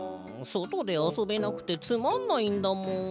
そとであそべなくてつまんないんだもん。